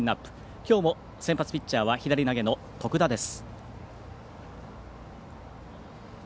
きょうも先発ピッチャーは左投げの徳田です。